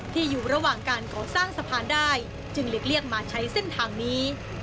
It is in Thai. อยู่ระหว่างการก่อสร้างสะพานได้จึงหลีกเลี่ยงมาใช้เส้นทางนี้